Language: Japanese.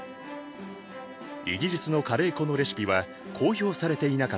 イギリスのカレー粉のレシピは公表されていなかった。